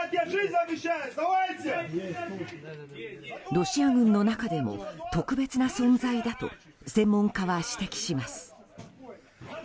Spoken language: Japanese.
ロシア軍の中でも特別な存在だと専門家は指摘します。